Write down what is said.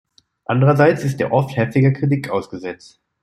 Andererseits ist er oft heftiger Kritik ausgesetzt.